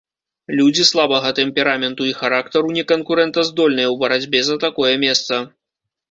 Людзі слабага тэмпераменту і характару не канкурэнтаздольныя ў барацьбе за такое месца.